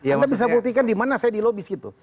anda bisa buktikan di mana saya di lobis gitu